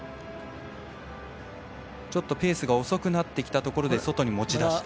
ちょっとペースが遅くなってきたところで外に持ち出した。